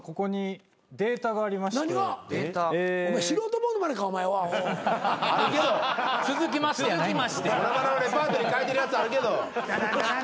物まねのレパートリー書いてるやつあるけど。